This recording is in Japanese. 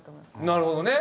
なるほどね。